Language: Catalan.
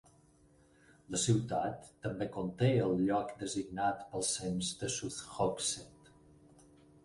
La ciutat també conté el lloc designat pel cens de South Hooksett.